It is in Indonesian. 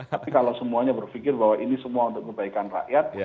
tapi kalau semuanya berpikir bahwa ini semua untuk kebaikan rakyat